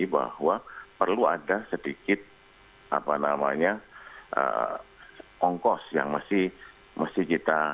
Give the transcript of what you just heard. bahwa perlu ada sedikit ongkos yang masih kita